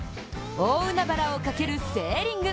大海原をかけるセーリング。